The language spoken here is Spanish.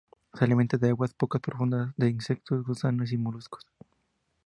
Se alimenta en aguas poco profundas de insectos, gusanos y moluscos.